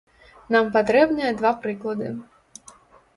Нам патрэбныя два прыклады.